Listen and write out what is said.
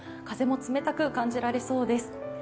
風も冷たく感じられそうです。